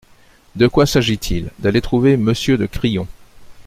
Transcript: De quoi s'agit-il ? D'aller trouver Monsieur de Crillon.